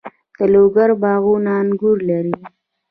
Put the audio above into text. د لوګر باغونه انګور لري.